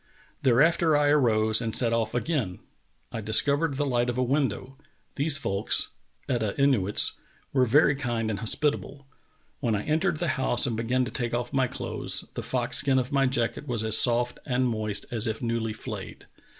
Thereafter I arose and set off again. ... I discovered the light of a window\ ... These folks [Etah Inuits] w^ere very kind and hospitable. When I entered the liouse and began to take off my clothes the fox skin of my jacket was as soft and moist as if newly flayed.